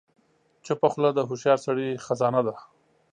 چپه خوله، د هوښیار سړي خزانه ده.